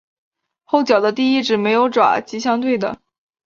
后脚的第一趾没有爪及相对的。